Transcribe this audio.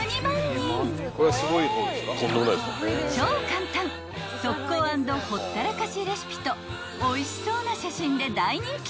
［超簡単速攻＆ほったらかしレシピとおいしそうな写真で大人気に］